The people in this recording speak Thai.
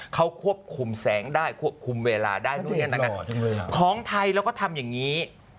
เขาควบคุมแสงได้ควบคุมเวลาได้ของไทยแล้วก็ทำอย่างนี้